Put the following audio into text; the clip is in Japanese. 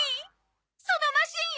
そのマシン